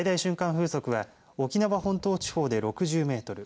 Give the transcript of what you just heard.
風速は沖縄本島地方で６０メートル